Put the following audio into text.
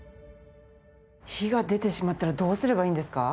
火が出てしまったらどうすればいいんですか？